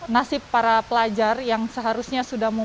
nasib para pelajar yang seharusnya sudah memungk